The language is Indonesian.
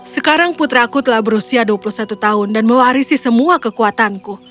sekarang putraku telah berusia dua puluh satu tahun dan mewarisi semua kekuatanku